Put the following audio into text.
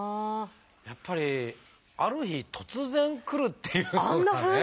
やっぱりある日突然くるっていうことがね。